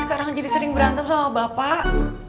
kemarin imam mau kesini ibu lagi berantem sama bapak